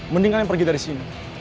mending kalian pergi dari sini